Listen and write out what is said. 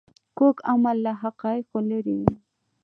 کوږ عمل له حقایقو لیرې وي